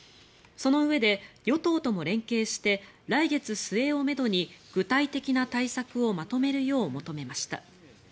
そのうえで、与党とも連携して来月末をめどに具体的な対策をまとめるよう求めました。